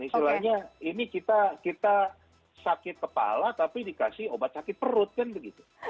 istilahnya ini kita sakit kepala tapi dikasih obat sakit perut kan begitu